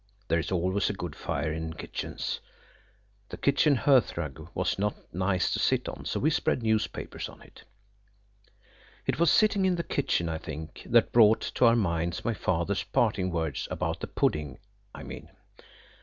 There is always a good fire in kitchens. The kitchen hearthrug was not nice to sit on, so we spread newspapers on it. It was sitting in the kitchen, I think, that brought to our minds my father's parting words–about the pudding, I mean.